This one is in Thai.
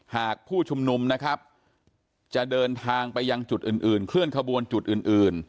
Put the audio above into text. หากผู้ชุมนุมนะครับจะเดินทางไปยังจุดอื่นเคลื่อนขบวนจุดอื่น